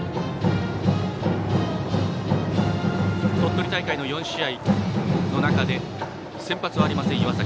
鳥取大会の４試合の中で先発はありません、岩崎。